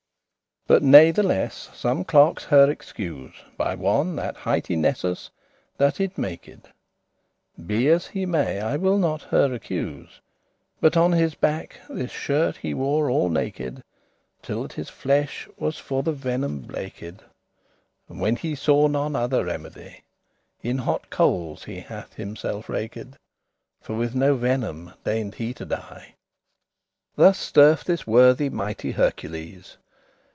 But natheless some clerkes her excuse By one, that highte Nessus, that it maked; Be as he may, I will not her accuse; But on his back this shirt he wore all naked, Till that his flesh was for the venom blaked.* *blackened And when he saw none other remedy, In hote coals he hath himselfe raked, For with no venom deigned he to die. Thus sterf* this worthy mighty Hercules.